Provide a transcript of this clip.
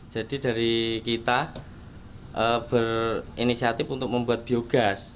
jadi dari kita berinisiatif untuk membuat biogas